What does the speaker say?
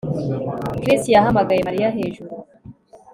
Chris yahamagaye Mariya hejuru